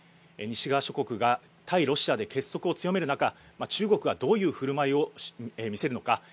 西側諸国が対ロシアで結束を強める中中国はどういう振る舞いを見せるのか